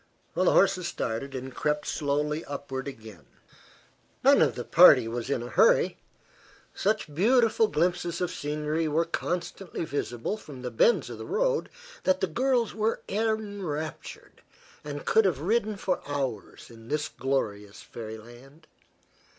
The horses started and crept slowly upward again. None of the party was in a hurry. Such beautiful glimpses of scenery were constantly visible from the bends of the road that the girls were enraptured, and could have ridden for hours in this glorious fairyland.